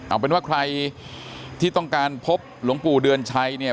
เอาเป็นว่าใครที่ต้องการพบหลวงปู่เดือนชัยเนี่ย